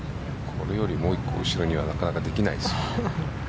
これよりもう１個後ろにはなかなかできないですよね。